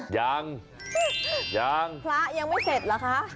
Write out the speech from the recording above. ยังยังพระยังไม่เสร็จเหรอคะ